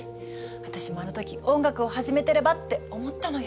私もあの時音楽を始めてればって思ったのよ。